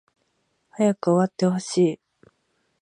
早く終わってほしい